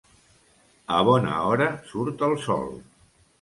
A bona hora surt el sol.